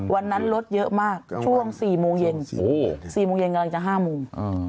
วันนั้นรถเยอะมากช่วง๔โมงเย็น๔โมงเย็นกำลังจะ๕โมง